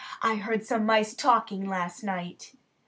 I heard some mice talking last night."